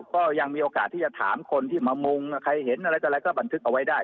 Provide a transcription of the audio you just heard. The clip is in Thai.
ก็ยังมีโอกาสที่จะถามคนที่มามุงใครเห็นอะไรต่ออะไรก็บันทึกเอาไว้ได้